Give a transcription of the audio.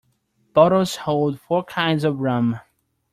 Bottles hold four kinds of rum.